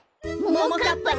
ももかっぱ。